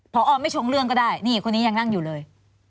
พอไม่ชงเรื่องก็ได้นี่คนนี้ยังนั่งอยู่เลย